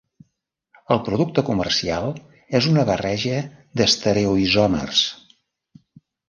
El producte comercial és una barreja d'estereoisòmers.